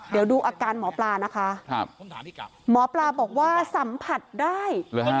เดี๋ยวดูอาการหมอปลานะคะครับคำถามที่กลับหมอปลาบอกว่าสัมผัสได้